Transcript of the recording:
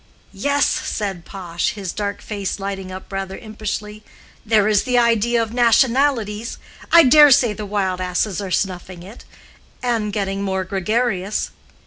"Yes," said Pash, his dark face lighting up rather impishly, "there is the idea of nationalities; I dare say the wild asses are snuffing it, and getting more gregarious."